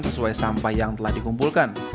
sesuai sampah yang telah dikumpulkan